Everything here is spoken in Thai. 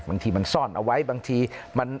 บางทีมันซ่อนเอาไว้บางที